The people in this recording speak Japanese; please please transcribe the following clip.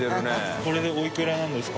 これでおいくらなんですか？